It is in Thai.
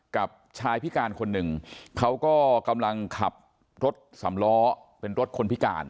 กับชายพิการคนหนึ่งเขาก็กำลังขับรถสำล้อเป็นรถคนพิการ